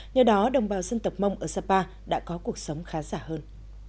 nhờ đó đồng bào dân tộc mông ở sapa đã có cuộc sống khá giả hơn